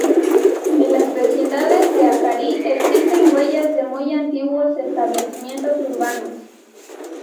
En las vecindades de Acarí existen huellas de muy antiguos establecimientos urbanos.